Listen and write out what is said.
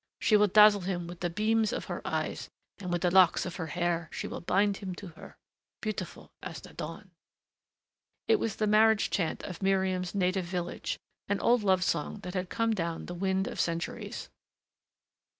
she will dazzle him with the beams of her eyes and with the locks of her hair, she will bind him to her ... beautiful as the dawn...." It was the marriage chant of Miriam's native village, an old love song that had come down the wind of centuries.